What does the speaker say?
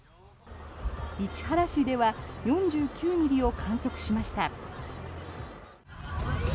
市原市では４９ミリを観測しました。